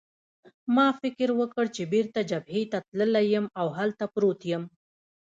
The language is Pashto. ما فکر وکړ چې بېرته جبهې ته تللی یم او هلته پروت یم.